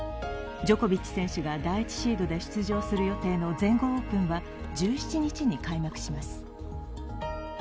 ジョコビッチ選手が第１シードで出場する予定の全豪オープンは１７日に開幕します。